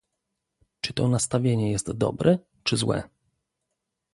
Czy to nastawienie jest dobre, czy złe?